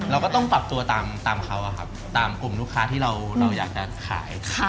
เราก็ต้องปรับตัวตามเขาตามกลุ่มลูกค้าที่เราอยากจะขาย